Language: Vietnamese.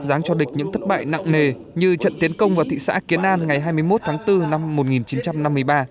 dáng cho địch những thất bại nặng nề như trận tiến công vào thị xã kiến an ngày hai mươi một tháng bốn năm một nghìn chín trăm năm mươi ba